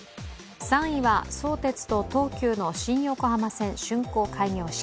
３位は相鉄と東急の新横浜線竣工開業式。